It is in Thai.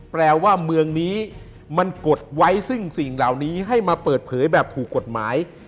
แปลว่าเมืองนี้มันกดไว้ซึ่งสิ่งเหล่านี้ให้มาเปิดเผยแบบถูกกฎหมาย